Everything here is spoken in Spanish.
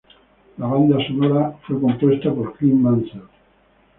La banda sonora fue compuesta por Clint Mansell.